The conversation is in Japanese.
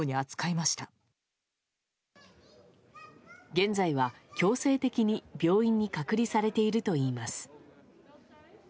現在は、強制的に病院に隔離されているといいます。